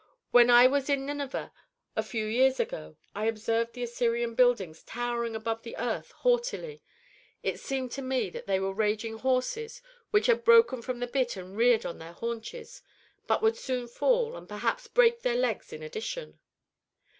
When I was in Nineveh a few years ago, I observed the Assyrian buildings towering above the earth haughtily; it seemed to me that they were raging horses which had broken from the bit and reared on their haunches, but would soon fall and perhaps break their legs in addition.